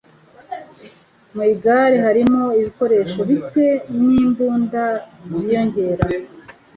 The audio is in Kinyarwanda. Mu igare harimo ibikoresho bike n'imbunda ziyongera.